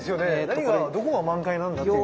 何がどこが満開なんだっていう。